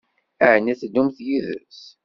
Ɛni ad teddumt yid-s?